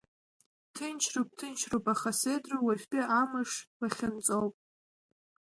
Ҭынчроуп, ҭынчроуп, аха сеидроу, уаҵәтәи амыш иалахьынҵоу.